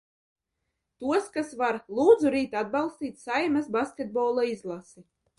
Tos, kas var, lūdzu rīt atbalstīt Saeimas basketbola izlasi.